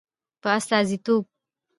په استازیتوب